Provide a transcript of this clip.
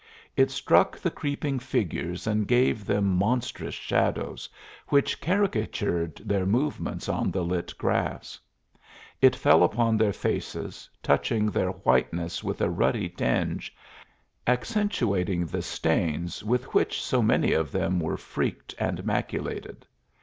It struck the creeping figures and gave them monstrous shadows, which caricatured their movements on the lit grass. It fell upon their faces, touching their whiteness with a ruddy tinge, accentuating the stains with which so many of them were freaked and maculated.